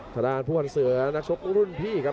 ท่านผู้พันธ์เสือนักชบรุ่นพี่ครับ